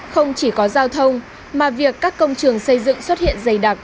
không chỉ có giao thông mà việc các công trường xây dựng xuất hiện dày đặc